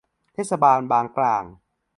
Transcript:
เทศบาลบางกร่าง